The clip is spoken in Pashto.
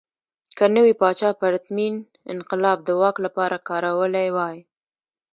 که نوي پاچا پرتمین انقلاب د واک لپاره کارولی وای.